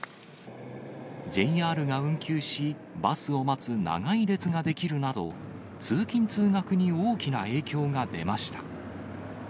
ＪＲが運休し、バスを待つ長い列が出来るなど、通勤・通学に大きな影響が出ました。